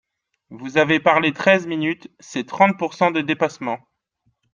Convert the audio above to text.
Vous avez parlé treize minutes, c’est trente pourcent de dépassement